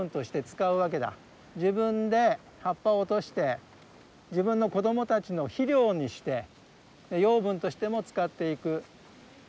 自分で葉っぱを落として自分の子どもたちの肥料にして養分としても使っていくね。